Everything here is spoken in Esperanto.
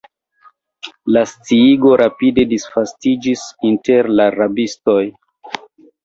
La sciigo rapide disvastiĝis inter la rabistoj.